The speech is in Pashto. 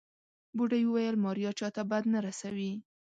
بوډۍ وويل ماريا چاته بد نه رسوي.